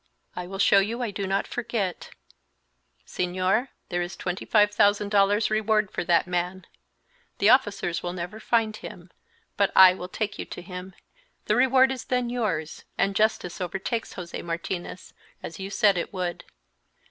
I will show you I do not forget. Señor, there is twenty five thousand dollars reward for that man. The officers will never find him; but I will take you to him, the reward is then yours, and justice overtakes José Martinez, as you said it would.